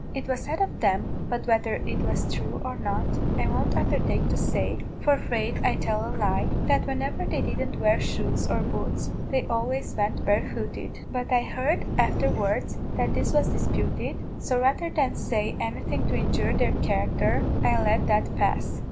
It was said of them but whether it was thrue or not I won't undhertake to say, for 'fraid I'd tell a lie that whenever they didn't wear shoes or boots they always went barefooted; but I heard aftherwards that this was disputed, so rather than say anything to injure their character, I'll let that pass.